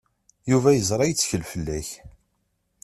Yuba yeẓra yettkel fell-ak.